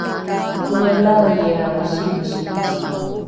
toelaeliae singsi